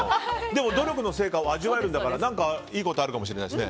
でも努力の成果を味わえるんだから何か、いいことがあるかもしれないですね。